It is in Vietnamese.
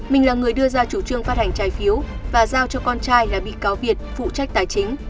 mình là người đưa ra chủ trương phát hành trái phiếu và giao cho con trai là bị cáo việt phụ trách tài chính